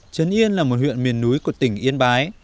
trấn yên là một huyện miền núi của tỉnh yên bái